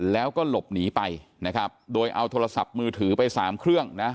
แล้วก็หลบหนีไปนะครับโดยเอาโทรศัพท์มือถือไปสามเครื่องนะ